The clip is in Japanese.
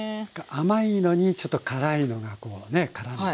甘いのにちょっと辛いのがこうねからんでね。